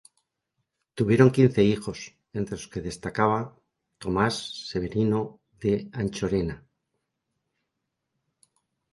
Tuvieron quince hijos, entre los que se destaca Tomás Severino de Anchorena.